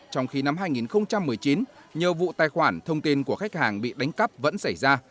trong khi năm hai nghìn một mươi chín nhiều vụ tài khoản thông tin của khách hàng bị đánh cắp vẫn xảy ra